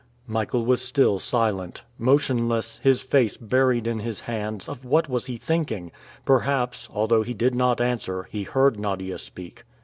Michael was still silent. Motionless, his face buried in his hands; of what was he thinking? Perhaps, although he did not answer, he heard Nadia speak.